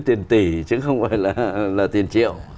tiền tỷ chứ không phải là tiền triệu